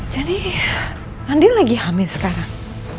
jadi andin lagi hamil sekarang